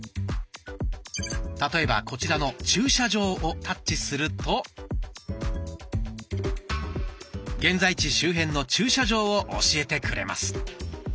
例えばこちらの「駐車場」をタッチすると現在地周辺の駐車場を教えてくれます。